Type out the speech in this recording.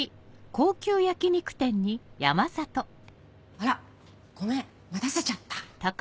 あらごめん待たせちゃった？